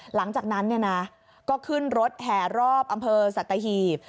หลังจากนั้นก็ขึ้นรถแถวรอบอำเภอสัตว์ไทยหีฟ